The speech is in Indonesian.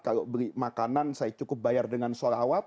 kalau beli makanan saya cukup bayar dengan sholawat